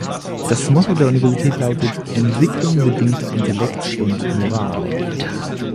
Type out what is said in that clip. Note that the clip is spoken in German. Das Motto der Universität lautet: „Entwicklung bedingt Intellekt und Moral“.